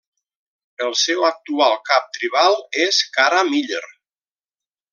El seu actual cap tribal és Kara Miller.